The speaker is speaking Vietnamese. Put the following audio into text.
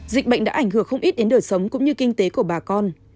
dịch bệnh đã ảnh hưởng không ít đến đời sống cũng như kinh tế của bà con